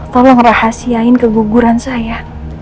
tolong rahasiain keguguran saya